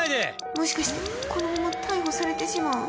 もしかして、このまま逮捕されてしまうん？